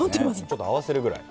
ちょっとあわせるぐらい。